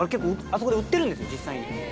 あそこで売ってるんです実際に。